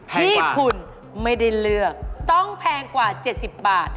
ที่คุณไม่ได้เลือกต้องแพงกว่า๗๐บาท